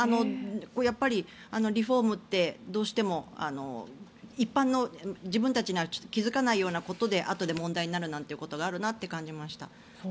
やっぱりリフォームってどうしても一般の自分たちには気付かないことであとで問題になるなって感じました。